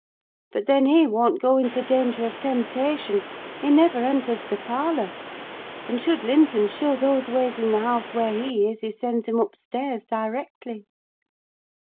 But then he won't go into danger of temptation: he never enters the parlour, and should Linton show those ways in the house where he is, he sends him upstairs directly."